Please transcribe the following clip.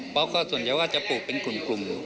เพราะก็ส่วนใหญ่ว่าจะปลูกเป็นกลุ่ม